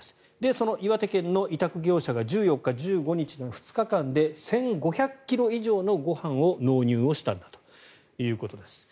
その岩手県の委託業者が１４日、１５日の２日間で１５００ｋｇ以上のご飯を納入をしたんだということです。